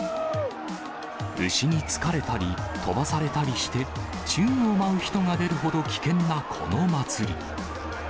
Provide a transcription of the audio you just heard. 牛に突かれたり、飛ばされたりして、宙を舞う人が出るほど危険なこの祭り。